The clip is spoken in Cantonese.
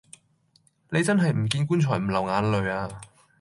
你真係唔見棺材唔流眼淚呀